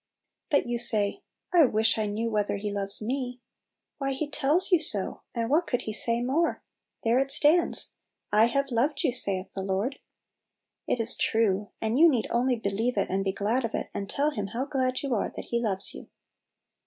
But you say, "I wish I knew whether He loves me! " "Why, He tells you so ; and what could He say more ? There it stands —" I have loved you, saith the Lord." It is true, and you need only believe it, and be glad of it, and tell Him how glad you are that He loves you.